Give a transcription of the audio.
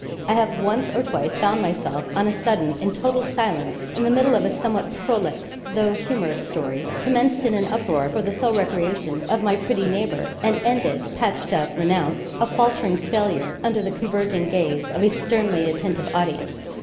I have once or twice found myself on a sudden in total silence in the middle of a somewhat prolix, though humorous story, commenced in an uproar for the sole recreation of my pretty neighbour, and ended patched up, renounced a faltering failure, under the converging gaze of a sternly attentive audience.